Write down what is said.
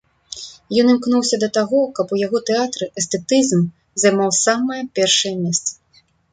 Ён імкнуўся да таго, каб у яго тэатры эстэтызм займаў самае першае месца.